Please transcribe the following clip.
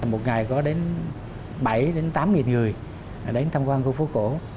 một ngày có đến bảy tám nghìn người đến tham quan khu phố cổ